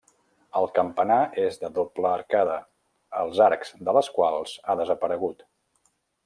El campanar és de doble arcada, els arcs de les quals ha desaparegut.